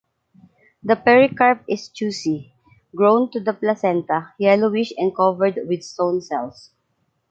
The pericarp is juicy, grown to the placenta, yellowish and covered with stone cells.